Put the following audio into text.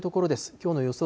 きょうの予想